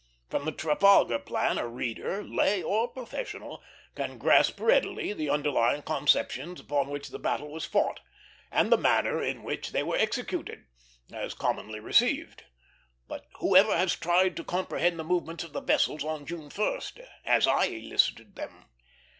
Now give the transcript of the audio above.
From the Trafalgar plan a reader, lay or professional, can grasp readily the underlying conceptions upon which the battle was fought, and the manner in which they were executed, as commonly received; but who ever has tried to comprehend the movements of the vessels on June 1st, as I elicited them?